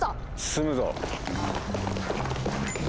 進むぞ！